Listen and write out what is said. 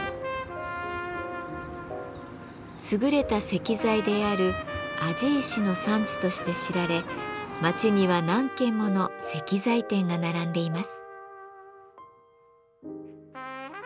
すぐれた石材である「庵治石」の産地として知られ町には何軒もの石材店が並んでいます。